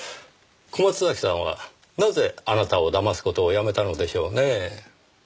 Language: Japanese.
小松崎さんはなぜあなたをだます事をやめたのでしょうね。